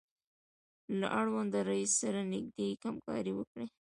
له اړونده رئیس سره نږدې همکاري وکړئ.